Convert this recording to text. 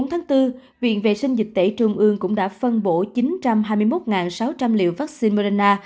một mươi bốn tháng bốn viện vệ sinh dịch tẩy trung ương cũng đã phân bổ chín trăm hai mươi một sáu trăm linh liều vaccine moderna